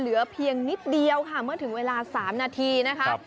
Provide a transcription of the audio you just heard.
เหลือเพียงนิดเดียวค่ะเมื่อถึงเวลา๓นาทีนะคะ